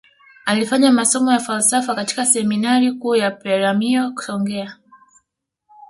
Alifanya masomo ya falsafa katika seminari kuu ya peremiho songea